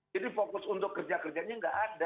jadi fokus untuk kerja kerjanya gak ada